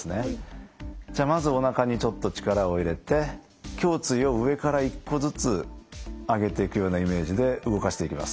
じゃあまずおなかにちょっと力を入れて胸椎を上から一個ずつ上げていくようなイメージで動かしていきます。